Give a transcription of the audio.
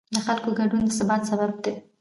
د خلکو ګډون د ثبات سبب دی